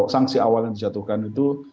sanksi awal yang dijatuhkan itu